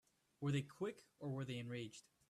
Were they quick or were they enraged?